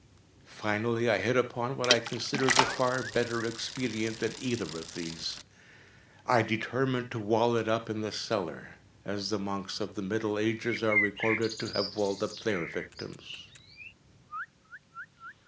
Finally I hit upon what I considered a far better expedient than either of these. I determined to wall it up in the cellar—as the monks of the middle ages are recorded to have walled up their victims.